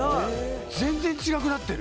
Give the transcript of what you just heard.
全然違くなってる。